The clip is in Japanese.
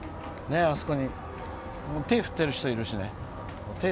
あそこに手を振ってる人いるし。